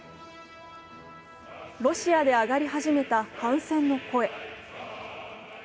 ロシアで上がり始めた反戦の声。